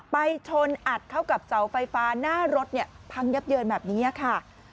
ไปชนอัดเข้ากับเสาไฟฟ้าหน้ารถเนี่ยพังยับเยินแบบนี้ค่ะ